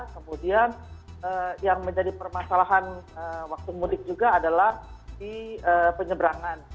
kemudian yang menjadi permasalahan waktu mudik juga adalah di penyeberangan